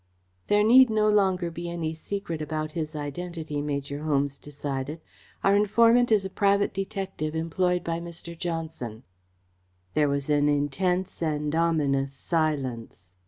"There need no longer be any secret about his identity," Major Holmes decided. "Our informant is a private detective employed by Mr. Johnson." There was an intense and ominous silence.